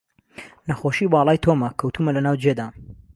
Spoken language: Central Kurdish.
نەخۆشی باڵای تۆمە، کەوتوومە لە ناو جێدام